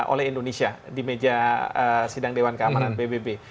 oleh indonesia di meja sidang dewan keamanan pbb